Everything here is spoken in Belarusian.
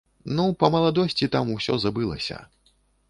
Ну, па маладосці там усё забылася.